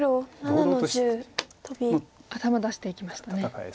頭出していきましたね。